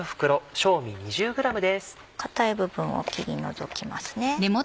硬い部分を切り除きますね。